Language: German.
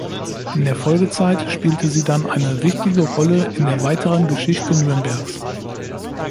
In der Folgezeit spielte sie dann eine wichtige Rolle in der weiteren Geschichte Nürnbergs.